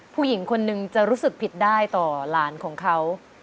ผู้หญิงคนนึงจะรู้สึกผิดได้ต่อหลานของเขา